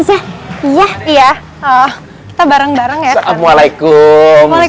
ya kita bareng bareng ya waalaikumsalam